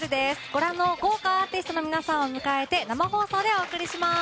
ご覧の豪華アーティストの皆さんをお迎えして生放送でお送りします。